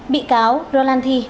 bị cáo rolati